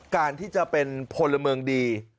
การที่จะเป็นพลเมืองดี